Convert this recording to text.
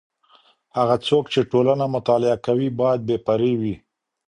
هغه څوک چي ټولنه مطالعه کوي بايد بې پرې وي.